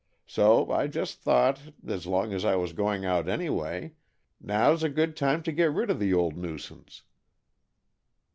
So I just thought, as long as I was going out anyway, 'Now's a good time to get rid of the old nuisance!'"